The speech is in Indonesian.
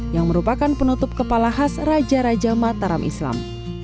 yang merupakan penutup kepala khas raja raja mataram islam